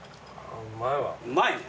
うまいわ。